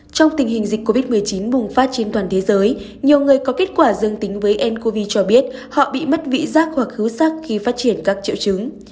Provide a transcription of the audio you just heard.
trong tình hình dịch covid một mươi chín bùng phát trên toàn thế giới nhiều người có kết quả dương tính với ncov cho biết họ bị mất vị giác hoặc hữu sắc khi phát triển các triệu chứng